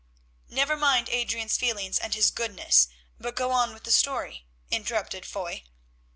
"Never mind Adrian's feelings and his goodness, but go on with the story," interrupted Foy.